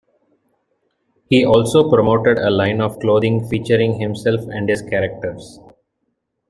He also promoted a line of clothing featuring himself and his characters.